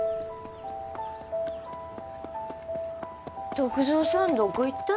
篤蔵さんどこ行ったん？